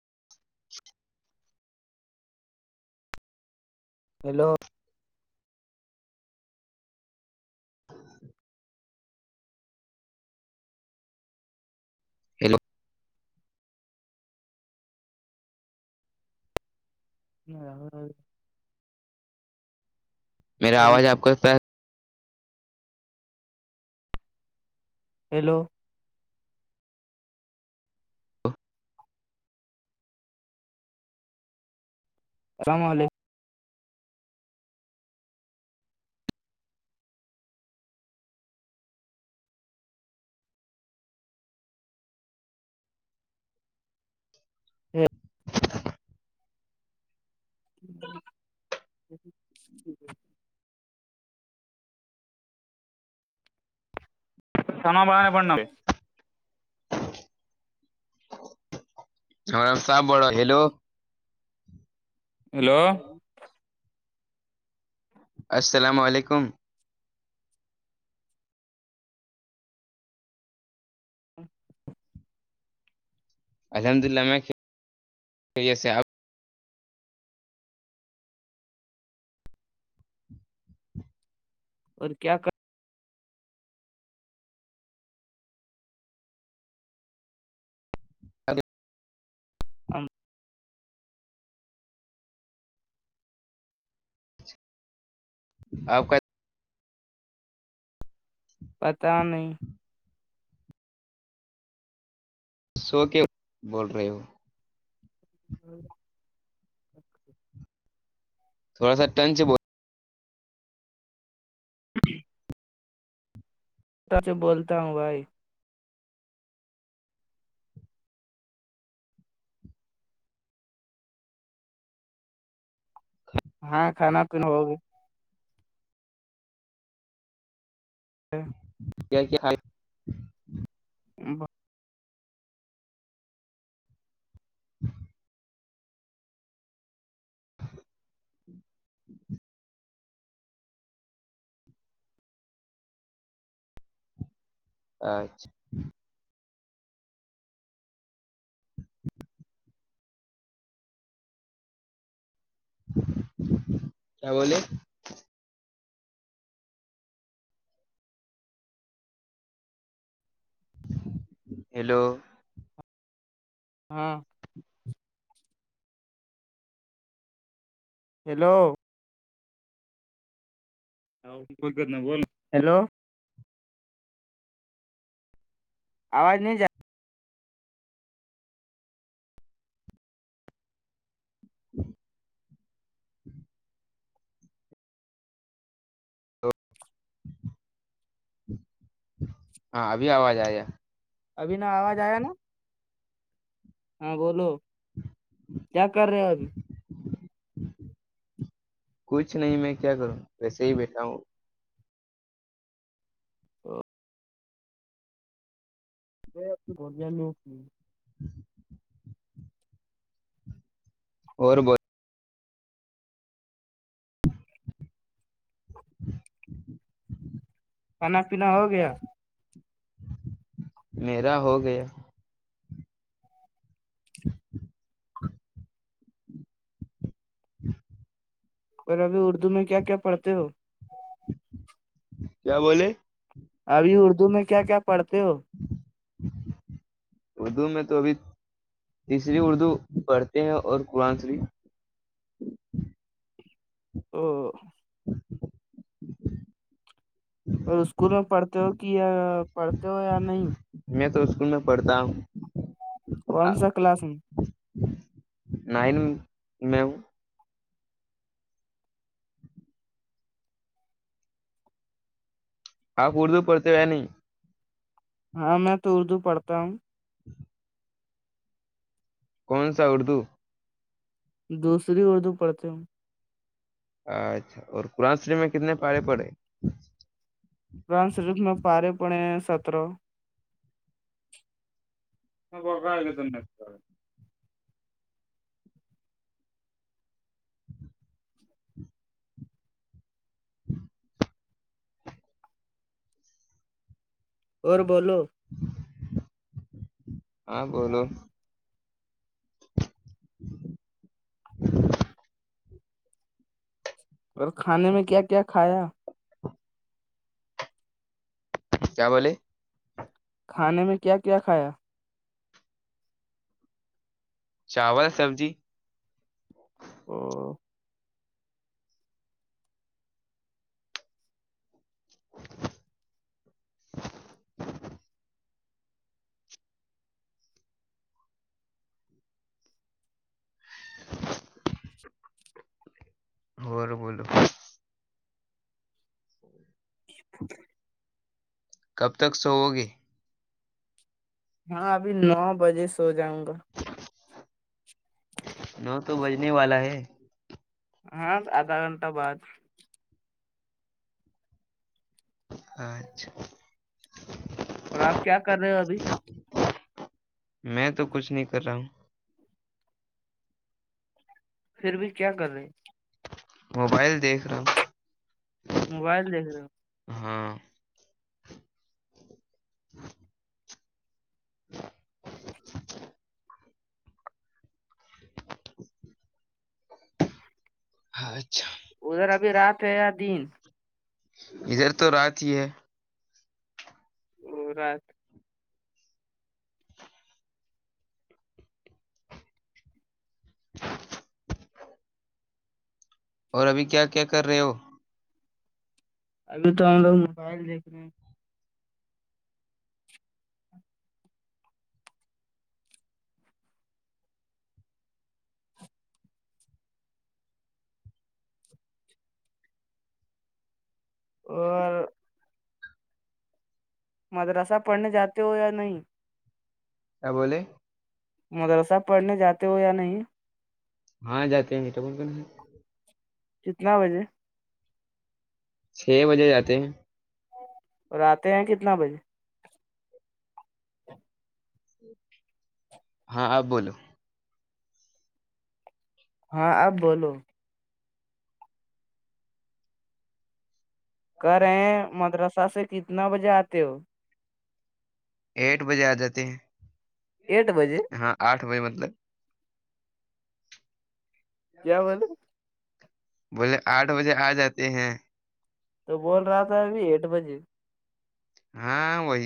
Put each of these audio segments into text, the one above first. [inaudible] [inaudible] hello hello [unintelligible] [unintelligible] ہ [inaudible] [inaudible] میرا آواز آپ کو [unintelligible] ہیلو رام واللے [inaudible] ہوں [inaudible] جٹ ہے [inaudible] سناو با پنا [inaudible] ہم رام صاحب بڑ رہا ہیلو [inaudible] ہیلو السلام علیکم الحمداللہ میں خیریت سے آپ اور کیا کر ہ [unintelligible] [inaudible] آپ کا پتہ نہیں سو کے بول رہے ہو ہوں [unintelligible] [inaudible] تھوڑا سارٹ انے [inaudible] جویے [unintelligible] [inaudible] سچ بولتا ہوں بھائی ہاں کھانا پینا ہوگی ہ [unintelligible] [unintelligible] کیا کہ [inaudible] ب [inaudible] [inaudible] ہ [inaudible] [inaudible] اچھا کیا بولے ہیلو ہاں [inaudible] [inaudible] ہیلو کوئیول ہیلو [inaudible] آواز نہیں جائے [inaudible] [inaudible] ہاں ابھی آواز آ ابھی نا آواز آیا نا ہاں بولو کیا کر رہے ابھی کچھ نہیں میں کیا کروں ویسے ہی بیٹھا ہوں یہب بولیا لوگ نہیں [inaudible] ہوں [inaudible] اور بہت کھانا پینا ہو گیا [inaudible] [inaudible] میرا ہو گیا ہ [inaudible] [inaudible] [inaudible] [inaudible] اور ابھی اردو میں کیا کیا پڑھتے ہو کیا بولے ابھی اردو میں کیا کیا پڑھتے ہو اردو میں تو ابھی تیسری اردو پڑھتے ہیں اور قرآن سریف او [unintelligible] [unintelligible] ج [inaudible] [inaudible] اور اسکول میں پڑھتے ہو کہ یا پڑھتے ہو یا نہیں میں تو اسکول میں پڑھتا ہوں کون سا کلاس میں نائن میں ہوں آپ اردو پڑھتے ہو یا نہیں ہاں میں تو اردو پڑھتا ہوں کون سا اردو دوسری اردو پڑھتے ہوں اچھا اور قرآن شریف میں کتنے پاارے پڑے قرآن شریف میں پارے پڑے ہے سترہ [unintelligible] اور بولو ہاں بولو [inaudible] اور کھانے میں کیا کیا کھایا کیا بولے کھانے میں کیا کیا کھایا چاول سبزی ا [inaudible] [inaudible] [inaudible] اور بولو ہ [inaudible] [inaudible] کب تک سوؤ گے ہاں ابھی نو بجے سو جاؤں گا [inaudible] نو تو بجنے والا ہے ہاں آدھا گھنٹہ بعد اچھا اور آپ کیا کر رہے ہو ابھی میں تو کچھ نہیں کر رہا ہوں پھر بھی کیا کریں موبائل دیکھ رہا ہوں موبائل دیکھ رہے ہو ہاں اچھا [unintelligible] ادھر ابھی رات ہے یا دن ادھر تو رات ہی ہے او رات اور ابھی کیا کیا کر رہے ہو ابھی تو ہم لوگ موبائل دیکھ رہے ہیں اور مدراسہ پڑھنے جاتے ہو یا نہیں کیا بولے مدرسہ پڑھنے جاتے ہو یا نہیں ہاں جاتے ہیں [unintelligible] کتنا بجے چھ بجے جاتے ہیں اور آتے ہیں کتنا بجے ہاں آپ بولو ہاں اب بولو کر رہے ہیں مدرسہ سے کتنا بجے آتے ہو ایٹھ بجے آ جاتے ہیں اٹھ بجے ہاں آٹھ بجے مطلب کیا والولے بولے آٹھ بجے آ جاتے ہیں تو بول رہا تھا ابھی اٹھ بجے ہاں وہی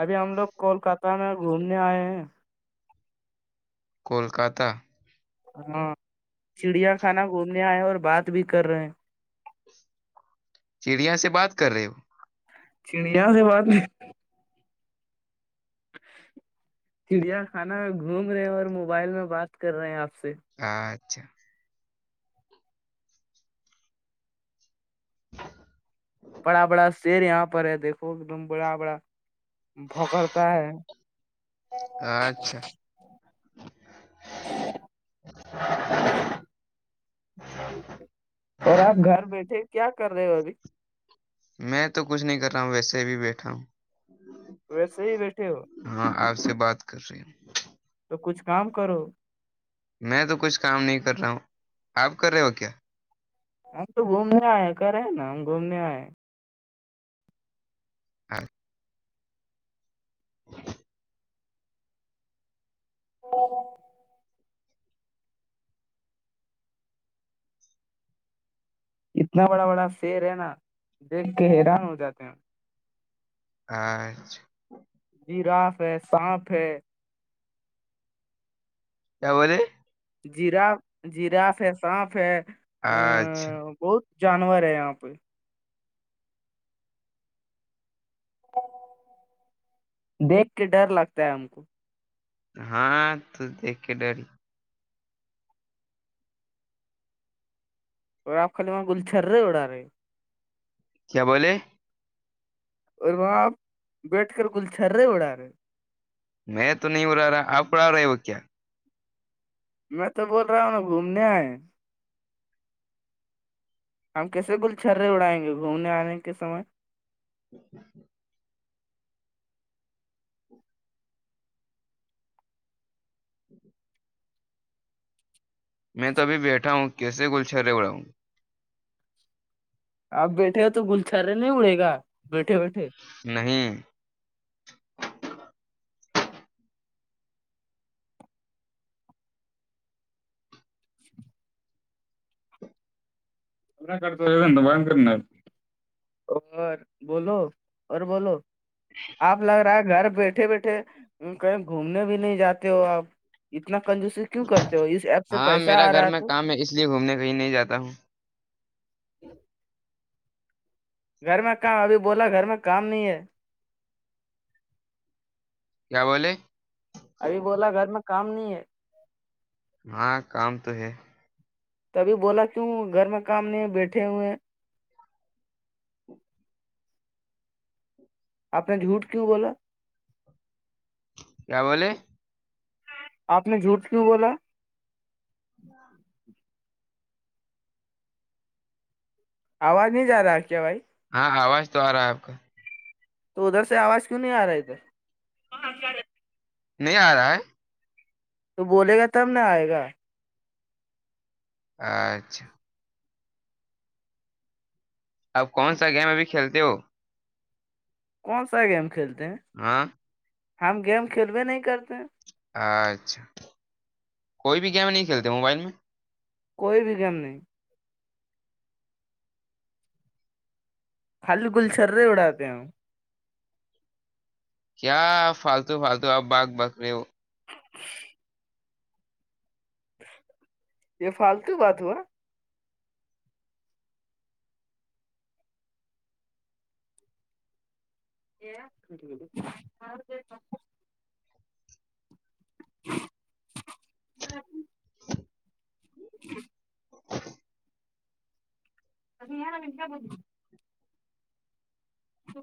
ابھی ہم لوگ کولکاتہ میں گھومنے آئے ہیں کولکاتہ ہاں چڑیا خانہ گھومنے آئے اور بات بھی کر رہے ہیں چڑیا سے بات کر رہے ہو چڑیا سے بات نہیں چڑیا خانہ میں گھوم رہے ہیں اور موبائل میں بات کر رہے ہیں آپ سے اچھا بڑا بڑا شیر یہاں پر ہے دیکھو ایک دم بڑا بڑا بھکڑتا ہے اچھا ا [inaudible] اور آپ گھر بیٹھے کیا کر رہے ہو ابھی میں تو کچھ نہیں کر رہا ہوں ویسے بھی بیٹھا ہوں ویسے ہی بیٹے ہو ہاں آپ سے بات کر رہی ہ تو کچھ کام کرو میں تو کچھ کام نہیں کر رہا ہوں آپ کر رہے ہو کیا ہم تو گھومنے آئے کرے نا ہم گھومنے آئے ہاں اورو [unintelligible] اتنا بڑا بڑا شیر ہے نا دیکھ کے حیران ہو جاتے ہیں آچھا جیراف ہے سانپ ہے کیا بولتے جیرا جیراف ہے سانپ ہے اچھا ا بہت جانور ہے یہاں پہ دیکھ کے ڈر لگتا ہے ہم کو ہاں تو دیکھ کے ڈر اور آپ خالی وہ گلچھر رہے اوڑا رہے ہو کیا بولے اور وہاں آپ بیٹھ کر گلچھرے اڑا رہے ہیں میں تو نہیں اوڈا رہا آپ اوڈا رہا ہو کیا میں تو بول رہا ہوں گھومنے آئے ہم کیسے گل چھرے اڑائیں گے گھومنے آنے کے سمے ہ ہ [inaudible] میں تو ابھی بیٹھا ہوں کیسے گلچرے اوڑاوں آپ بیٹھے ہو تو گلچارے نہیں اڑے گا بیٹھے بیٹھے نہیں [inaudible] ا کرتا ہےا بن کرنا [unintelligible] بولو اور بولو اچ [inaudible] [unintelligible] آپ لگ رہا ہے گھر بیٹھے بیٹھے کہیں گھومنے بھی نہیں جاتے ہو آپ اتنا کنجوسن کیوں کرتے ہو اس ایپ سے پیسہ آ رہا ہے تو جی گھومنے کہیں نہیں جاتا ہوں گھر میں کام ابھی بولا گھر میں کام نہیں ہے کیا بولے [inaudible] ابھی بولا گھر میں کام نہیں ہے ہاں کام تو ہے تبھی بولا کیوں گھر میں کام نہیں بیٹھے ہوئے آپ نے جھوٹ کیوں بولا کیا بولے آپ نے جھوٹ کیوں بولا ہ [inaudible] آواز نہیں جا رہا ہے کیا بھائی ہاں آواز تو آ رہا ہے آپ کا تو ادھر سے آواز کیوں نہیں آ رہے ادھر نہیں آ رہا ہے تو بولے گا تب نہ آئے گا اچھا آپ کون سا گیم ابھی کھیلتے ہو کون سا گیم کھیلتے ہیں ہاں ہم گیم کھیل بھیے نہیں کرتے ہیں اچھا کوئی بھی گیم نہیں کھیلتے موبائل میں کوئی بھی گیم نہیں ہل گل چرے اڑاتے ہیں کیا فالتو فالتو آپ بگ بکریے ہو [inaudible] یہ فالتو بات ہوا [inaudible] ہ [inaudible] [inaudible] ج [inaudible] اب یہ ن مجن کیا بے تو [inaudible]